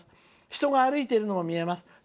人が歩いているの見えます。